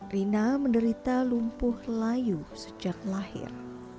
rina menderita lumpuh layu sejak lahir